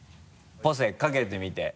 ポセかけてみて。